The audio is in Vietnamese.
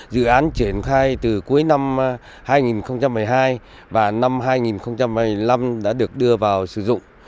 dự án triển khai từ cuối năm hai nghìn một mươi hai và năm hai nghìn một mươi năm đã được đưa vào sử dụng